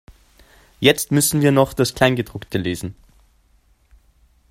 Jetzt müssen wir noch das Kleingedruckte lesen.